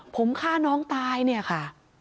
ผมฆ่าน้องตายเนี่ยค่ะ